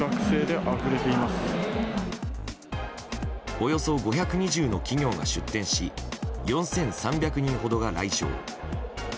およそ５２０の企業が出展し４３００人ほどが来場。